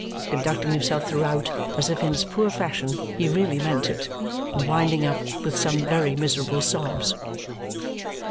Conducting himself throughout as if in his poor fashion he really meant it, and winding up with some very miserable sobs.